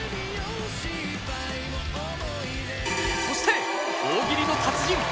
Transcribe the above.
そして大喜利の達人